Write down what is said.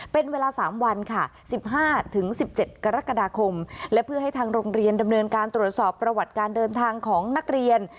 เป็นเวลา๓วันค่ะ๑๕๑๗กรกฎาคมและเพื่อให้ทางโรงเรียนดำเนินการตรวจสอบประวัติการเดินทางของนักเรียน